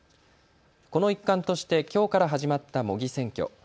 この一環としてきょうから始まった模擬選挙。